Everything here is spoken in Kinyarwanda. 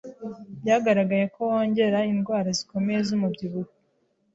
byaragaragaye ko wongera indwara zikomeye z’umubyibuho